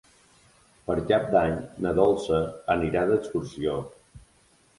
Per Cap d'Any na Dolça anirà d'excursió.